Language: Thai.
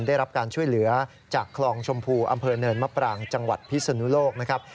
ได้รับการช่วยเหลือจากคลองชมพูอำเภอเนินมะปรางจังหวัดพิศนุโลกนะครับ